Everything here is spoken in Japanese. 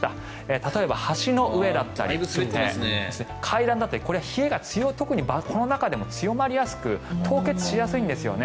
例えば橋の上だったり階段だったりこれは冷えがこの中でも強まりやすく凍結しやすいんですね。